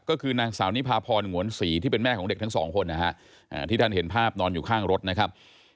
ก็คือนางสาวนี้พาพรหวนศรีที่เป็นแม่ของเด็กทั้งสองคนนะครับ